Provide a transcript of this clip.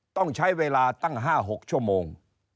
ต้องใช้เวลาตั้ง๕๖ชั่วโมง